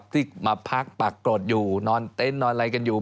ที่มาพักปากกรดอยู่นอนเต็นต์นอนอะไรกันอยู่